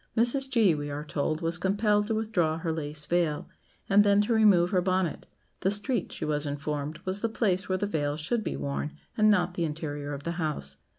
Mrs. G., we are told, was compelled to withdraw her lace veil, and then to remove her bonnet; the street, she was informed, was the place where the veil should be worn, and not the interior of the house.